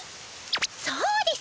そうです！